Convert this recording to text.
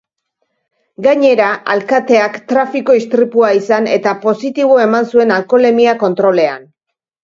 Gainera, alkateak trafiko istripua izan eta positibo eman zuen alkoholemia-kontrolean.